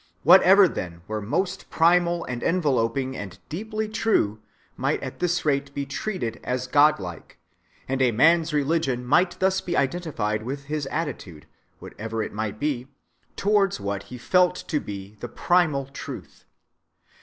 Whatever then were most primal and enveloping and deeply true might at this rate be treated as godlike, and a man's religion might thus be identified with his attitude, whatever it might be, towards what he felt to be the primal truth.